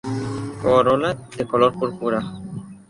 Corola de color púrpura.